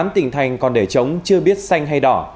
tám tỉnh thành còn để chống chưa biết xanh hay đỏ